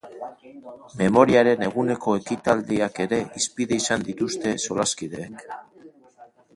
Memoriaren eguneko ekitaldiak ere hizpide izan dituzte solaskideek.